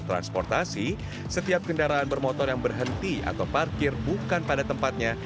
transportasi setiap kendaraan bermotor yang berhenti atau parkir bukan pada tempatnya